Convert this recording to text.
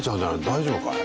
大丈夫かい？